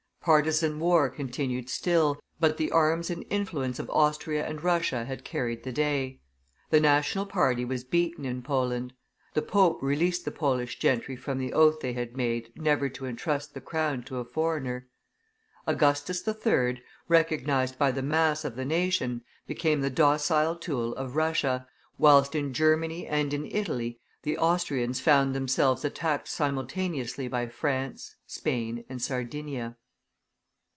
Partisan war continued still, but the arms and influence of Austria and Russia had carried the day; the national party was beaten in Poland. The pope released the Polish gentry from the oath they had made never to intrust the crown to a foreigner. Augustus III., recognized by the mass of the nation, became the docile tool of Russia, whilst in Germany and in Italy the Austrians found themselves attacked simultaneously by France, Spain, and Sardinia.